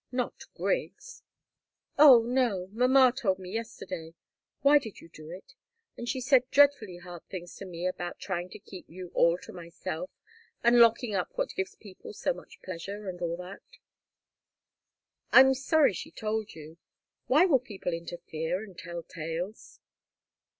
"Not Griggs?" "Oh, no! Mamma told me, yesterday. Why did you do it? And she said dreadfully hard things to me about trying to keep you all to myself, and locking up what gives people so much pleasure and all that." "I'm sorry she told you. Why will people interfere and tell tales?"